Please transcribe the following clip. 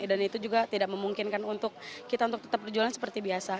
dan itu juga tidak memungkinkan untuk kita untuk tetap berjualan seperti biasa